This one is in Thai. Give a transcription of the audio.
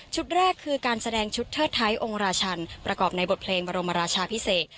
แรกคือการแสดงชุดเทิดไทยองค์ราชันประกอบในบทเพลงบรมราชาพิเศษ